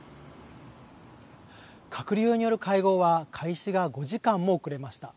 閣僚による会合は、開始が５時間も遅れました。